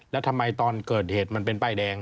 แล้วทำไมตอนเกิดเหตุมันเป็นป้ายแดง